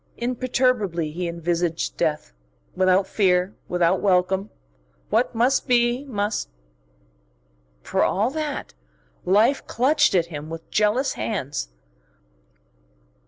Imperturbably he envisaged death, without fear, without welcome. What must be, must.... For all that, life clutched at him with jealous hands.